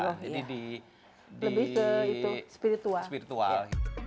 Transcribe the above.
lebih ke spiritual